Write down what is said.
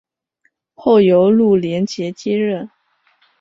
后由陆联捷接任。